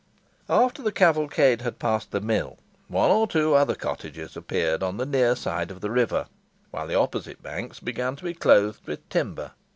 After the cavalcade had passed the mill, one or two other cottages appeared on the near side of the river, while the opposite banks began to be clothed with timber.